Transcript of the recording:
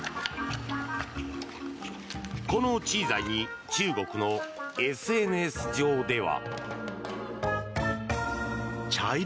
このチーザイに中国のＳＮＳ上では。